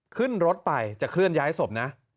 ขึ้นรถไปจะเคลื่อนย้ายศพนะ